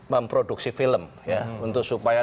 memproduksi film ya untuk supaya